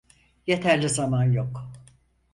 Yeterli zaman yok.